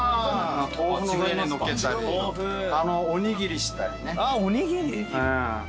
豆腐の上にのっけたりおにぎりしたりね。